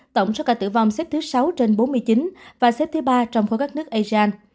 tổng số ca tử vong xếp thứ sáu trên bốn mươi chín và xếp thứ ba trong khối các nước asean